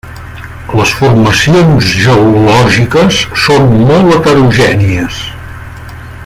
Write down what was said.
Les formacions geològiques són molt heterogènies.